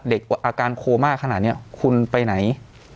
อาการโคม่าขนาดนี้คุณไปไหน